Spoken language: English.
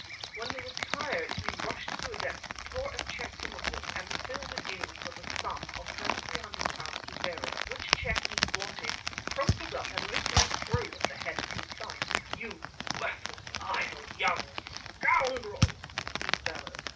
When he was tired he rushed to a desk, tore a cheque from a book and filled it in for a sum of £2,300 to bearer, which cheque he blotted, crumpled up and literally threw at the head of his son. "You worthless, idle young scoundrel," he bellowed.